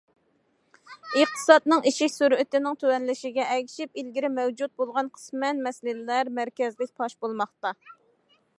ئىقتىسادنىڭ ئېشىش سۈرئىتىنىڭ تۆۋەنلىشىگە ئەگىشىپ، ئىلگىرى مەۋجۇت بولغان قىسمەن مەسىلىلەر مەركەزلىك پاش بولماقتا.